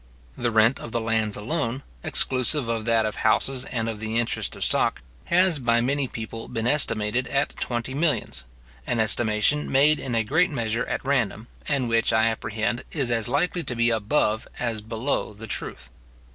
The rent of the lands alone, exclusive of that of houses and of the interest of stock, has by many people been estimated at twenty millions; an estimation made in a great measure at random, and which, I apprehend, is as likely to be above as below the truth.